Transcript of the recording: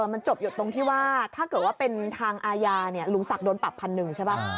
มันจบอยู่ตรงที่ว่าถ้าเกิดว่าเป็นทางอาญาลุงศักดิ์โดนปรับพันหนึ่งใช่ป่ะ